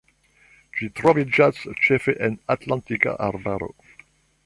Ĝi troviĝas ĉefe en Atlantika arbaro.